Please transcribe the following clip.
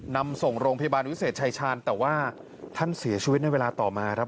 นำส่งโรงพยาบาลวิเศษชายชาญแต่ว่าท่านเสียชีวิตในเวลาต่อมาครับ